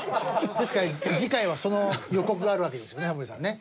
ですから次回その予告があるわけですよねタモリさんね。